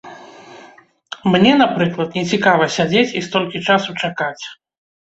Мне, напрыклад, не цікава сядзець і столькі часу чакаць.